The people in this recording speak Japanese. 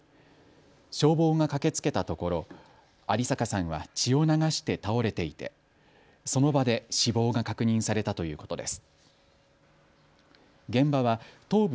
消防が駆けつけたところ有坂さんは血を流して倒れていてその場で死亡が確認されたということです。